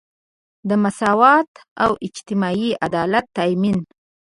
د مساوات او اجتماعي عدالت تامین.